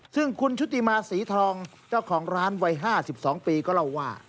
ซึ่งคุณชุติมาศรีทองเจ้าของร้านวัย๕๒ปีก็เล่าว่า